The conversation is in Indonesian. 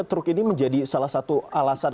truk ini menjadi salah satu alasan